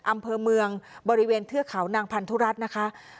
อำเภอเมืองบริเวณเทือกเขานางพันธุรัฐนะคะ